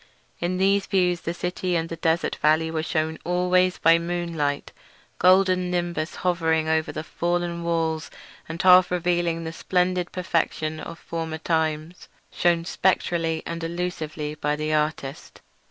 In these views the city and the desert valley were shewn always by moonlight, a golden nimbus hovering over the fallen walls and half revealing the splendid perfection of former times, shewn spectrally and elusively by the artist.